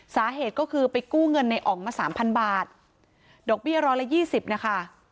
สาเหตุก็คือไปกู้เงินในอ๋องมาสามพันบาทดอกเบี้ยร้อยละยี่สิบนะคะ